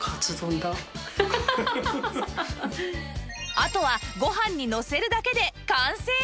あとはご飯にのせるだけで完成